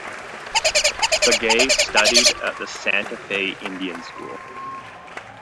Begay studied at the Santa Fe Indian School.